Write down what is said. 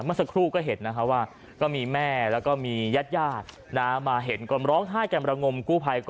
ผมสักครู่ก็เห็นนะฮะวะก็มีแม่แล้วก็มีญาติญาณร้านามาเห็นกลอมหลอกห้าแกมรงมกู้ภัยก็